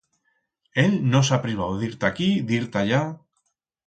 Él no s'ha privau d'ir ta aquí, d'ir ta allá...